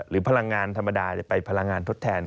พลังงานธรรมดาไปพลังงานทดแทน